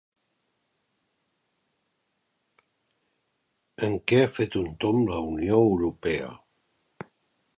En què ha fet un tomb la Unió Europea?